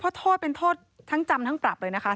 ปอร์โทษเป็นโทษทั้งจำและปรับเลยนะคะ